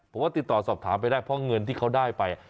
ผมว่าติดต่อสอบถามไปได้เพราะเงินที่เขาได้ไป